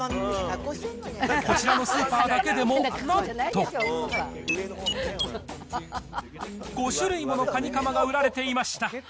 こちらのスーパーだけでも、なんと、５種類ものカニカマが売られていました。